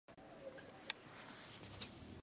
هغه زور چې د خلکو په منظمو لیکو کې موندل کېږي.